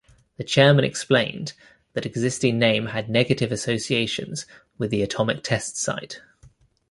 The Chairman explained that existing name had negative associations with the atomic test-site.